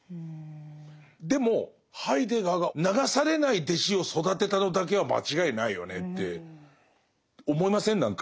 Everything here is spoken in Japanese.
でもハイデガーが流されない弟子を育てたのだけは間違いないよねって思いません？